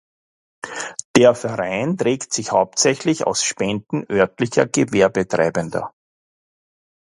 Der Verein trägt sich hauptsächlich aus Spenden örtlicher Gewerbetreibender.